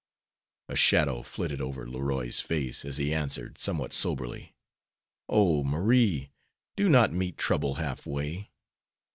'" A shadow flitted over Leroy's face, as he answered, somewhat soberly, "Oh, Marie, do not meet trouble half way.